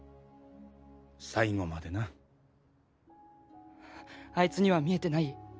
最後までなあいつには見えてない？∈